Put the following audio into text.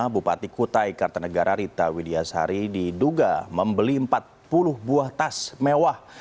bupati kutai kartanegara rita widiasari diduga membeli empat puluh buah tas mewah